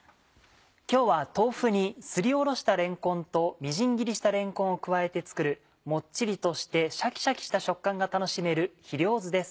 今日は豆腐にすりおろしたれんこんとみじん切りしたれんこんを加えて作るもっちりとしてシャキシャキした食感が楽しめるひりょうずです。